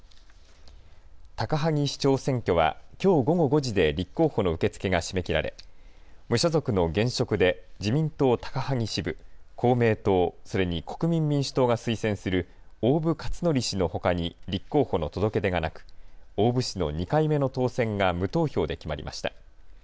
高萩市長選挙は、きょう午後５時で立候補の受け付けが締め切られ無所属の現職で自民党高萩支部、公明党、それに国民民主党が推薦する大部勝規氏のほかに立候補の届け出がなく大部氏の２回目の当選が無投票で決まりました。